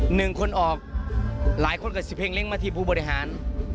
หนึ่งคนออกหลายคนกับสิบเพลงเล้งมาที่ผู้บริหาร